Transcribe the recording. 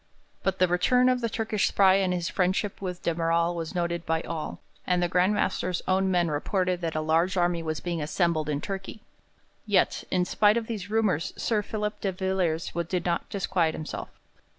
But the return of the Turkish spy and his friendship with de Merall was noted by all, and the Grand Master's own men reported that a large army was being assembled in Turkey. Yet, in spite of these rumours, Sir Philip de Villiers did not disquiet himself.